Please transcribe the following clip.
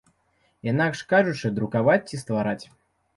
Інакш кажучы, друкаваць ці ствараць.